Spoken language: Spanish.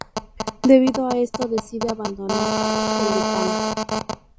Debido a esto, decide abandonar el Decano.